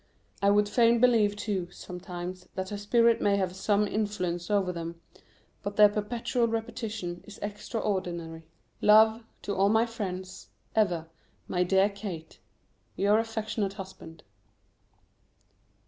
I would fain believe, too, sometimes, that her spirit may have some influence over them, but their perpetual repetition is extraordinary. Love to all friends. Ever, my dear Kate, Your affectionate Husband.